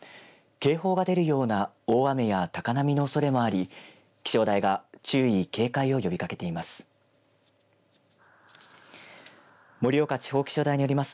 警報が出るような大雨や高波のおそれもあり気象台が注意警戒を呼びかけています。